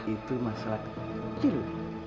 itu masalah kepentingan